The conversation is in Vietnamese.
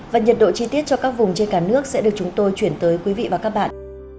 và nhiệt độ chi tiết cho các vùng trên cả nước sẽ được chúng tôi chuyển tới quý vị và các bạn